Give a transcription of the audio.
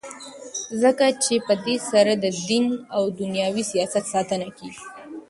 ځکه چي په دی سره ددین او دینوي سیاست ساتنه کیږي.